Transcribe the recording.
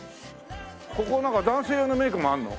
ここは男性用のメイクもあるの？